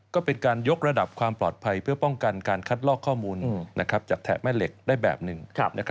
ก็เป็นการยกระดับความปลอดภัยเพื่อป้องกันการคัดลอกข้อมูลจากแถบแม่เหล็กได้แบบหนึ่ง